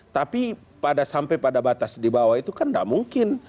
tapi sampai pada batas di bawah itu kan tidak mungkin